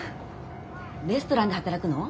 レストランで働くの？